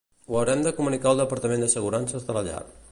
Ho haurem de comunicar al departament d'assegurances de la llar.